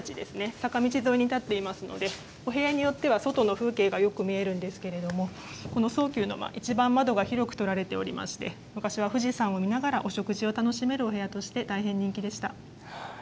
坂道沿いに立っていますのでお部屋によっては外の風景がよく見えるんですけれどもこの草丘の間、一番窓が広く取られておりまして昔は富士山を見ながらお食事を楽しめるお部屋として大変人気でした。